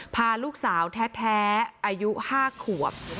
พาลูกสาวแท้อายุ๕ขวบ